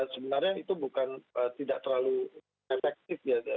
sebenarnya itu bukan tidak terlalu efektif ya